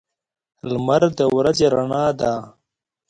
لمر د ورځې رڼا ده.